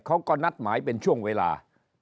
เขาก็นัดหมายเป็นช่วงเวลา